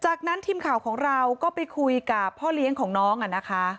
จากนั้นทีมข่าวของเราก็ไปคุยกับพ่อเลี้ยงของน้องอะนะคะ